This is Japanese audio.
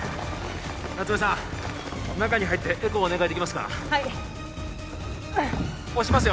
夏梅さん中に入ってエコーお願いできますかはい押しますよ